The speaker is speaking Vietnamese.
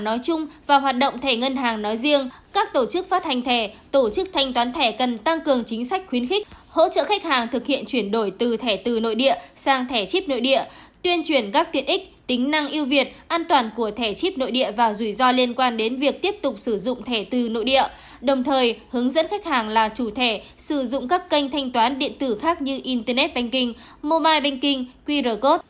nói chung các tổ chức phát hành thẻ tổ chức thanh toán thẻ cần tăng cường chính sách khuyến khích hỗ trợ khách hàng thực hiện chuyển đổi từ thẻ từ nội địa sang thẻ chip nội địa tuyên truyền các tiện ích tính năng yêu việt an toàn của thẻ chip nội địa và rủi ro liên quan đến việc tiếp tục sử dụng thẻ từ nội địa đồng thời hướng dẫn khách hàng là chủ thẻ sử dụng các kênh thanh toán điện tử khác như internet banking mobile banking qr code